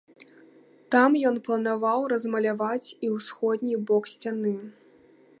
Там ён планаваў размаляваць і ўсходні бок сцяны.